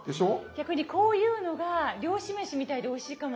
逆にこういうのが漁師めしみたいでおいしいかも。